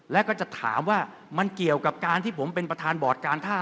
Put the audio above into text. แล้วก็จะถามว่ามันเกี่ยวกับการที่ผมเป็นประธานบอร์ดการท่า